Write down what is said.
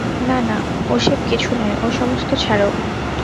না না, ওসেব কিছু নয়, ও-সমস্ত ছাড়ো।